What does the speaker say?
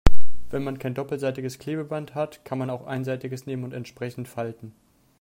Wenn man kein doppelseitiges Klebeband hat, kann man auch einseitiges nehmen und entsprechend falten.